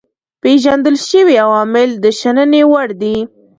پيژندل شوي عوامل د شنني وړ دي.